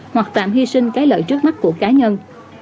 hoặc tạm hy sinh cái lợi trước mắt của cá nhân